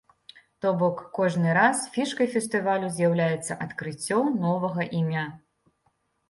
То бок, кожны раз фішкай фестывалю з'яўляецца адкрыццё новага імя.